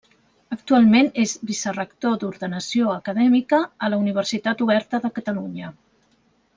Actualment és Vicerector d’Ordenació Acadèmica a la Universitat Oberta de Catalunya.